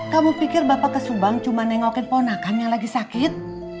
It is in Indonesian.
kamu pikir bapak ke subang cuma nengokin ponakan yang lagi sakit